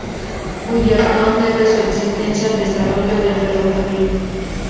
Fullerton debe su existencia al desarrollo del ferrocarril.